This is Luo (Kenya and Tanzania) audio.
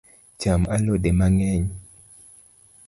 Cham alode mang’eny